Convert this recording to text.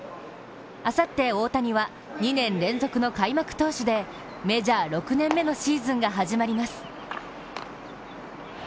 あさって、大谷は２年連続の開幕投手で、メジャー６年目のシーズンが始まります。